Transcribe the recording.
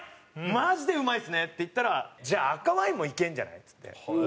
マジでうまいっすね」って言ったら「じゃあ赤ワインもいけんじゃない？」っつって。